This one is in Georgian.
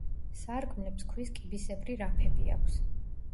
სარკმლებს ქვის კიბისებრი რაფები აქვს.